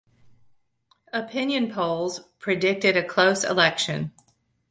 Opinion polls predicted a close election.